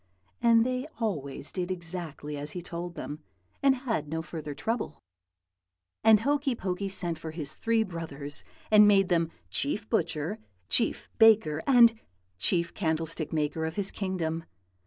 and they always did exactly as he told them, and had no further trouble. "And Hokey Pokey sent for his three brothers, and made them Chief Butcher, Chief Baker, and Chief Candlestick maker of his kingdom.